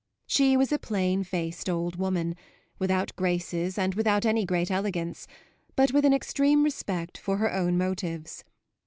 She was a plain faced old woman, without graces and without any great elegance, but with an extreme respect for her own motives.